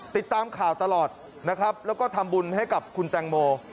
ติดตามข่าวตลอดนะครับแล้วก็ทำบุญให้กับคุณแตงโม